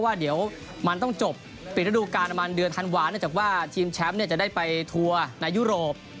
ว่าเดี๋ยวมันต้องจบปิดระดูการประมาณเดือนธันวาเนื่องจากว่าทีมแชมป์จะได้ไปทัวร์ในยุโรป